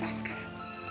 mbak aku mau ke rumah